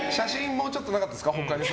もうちょっとなかったですか？